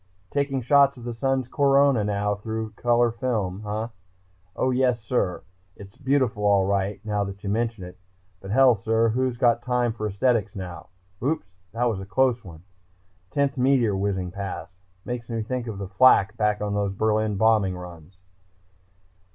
Taking shots of the sun's corona now with color film ... huh? Oh, yes, sir, it's beautiful all right, now that you mention it. But, hell, sir, who's got the time for aesthetics now?... Oops, that was a close one! Tenth meteor whizzing past. Makes me think of flak back on those Berlin bombing runs."